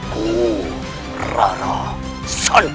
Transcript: ku rara santau